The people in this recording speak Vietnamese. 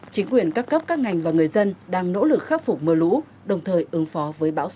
chính quyền các cấp các ngành và người dân đang nỗ lực khắc phục mưa lũ đồng thời ứng phó với bão số năm